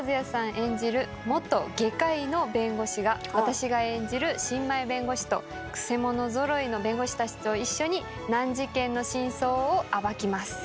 演じる元外科医の弁護士が私が演じる新米弁護士とくせ者ぞろいの弁護士たちと一緒に難事件の真相を暴きます。